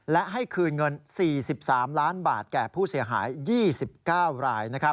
และให้คืนเงิน๔๓ล้านบาทแก่ผู้เสียหาย๒๙ราย